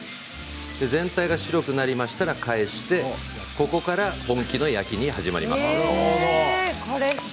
全体が白くなったら返してここから本気の焼きが始まります。